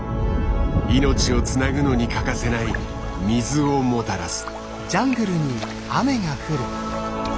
命をつなぐのに欠かせない水をもたらす。